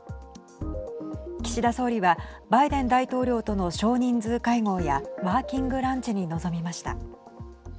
岸田総理はバイデン大統領との少人数会合やワーキングランチに臨みました。